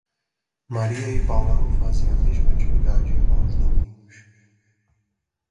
Maria e Paula fazem a mesma atividade aos domingos.